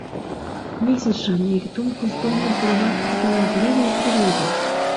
Месяц жа, на іх думку, здольны ўплываць толькі на адлівы і прылівы.